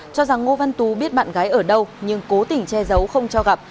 cho rằng ngô văn tú biết bạn gái ở đâu nhưng cố tình che giấu không cho gặp